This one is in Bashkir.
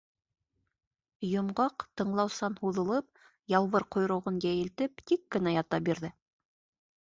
Йомғаҡ, тыңлаусан һуҙылып, ялбыр ҡойроғон йәйелтеп, тик кенә ята бирҙе.